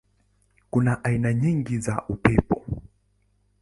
Kuna aina nyingi za upepo.